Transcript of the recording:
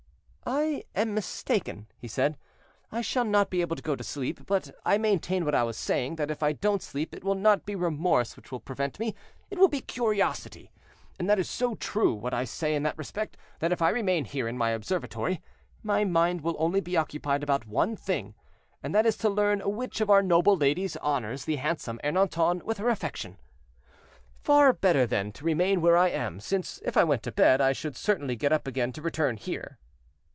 "I am mistaken," he said, "I shall not be able to go to sleep; but I maintain what I was saying, that if I don't sleep it will not be remorse which will prevent me, it will be curiosity; and that is so true what I say in that respect, that if I remain here in my observatory, my mind will only be occupied about one thing, and that is to learn which of our noble ladies honors the handsome Ernanton with her affection. "Far better, then, to remain where I am; since, if I went to bed, I should certainly get up again to return here."